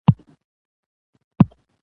زده کړه د نجونو د حساب کولو وړتیا لوړوي.